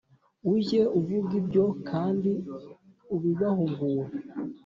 Ujye uvuga ibyo kandi ubibahugure